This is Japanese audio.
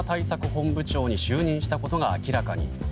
本部長に就任したことが明らかに。